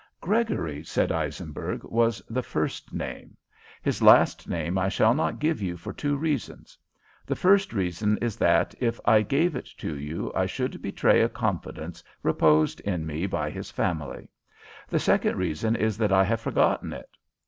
"Gregory," said Eisenberg, "was the first name. His last name I shall not give you for two reasons. The first reason is that, if I gave it to you, I should betray a confidence reposed in me by his family. The second reason is that I have forgotten it.